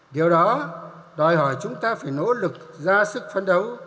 điều đó đòi hỏi chúng ta phải nỗ lực ra sức phấn đấu